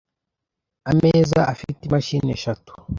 Ameza afite imashini eshatu .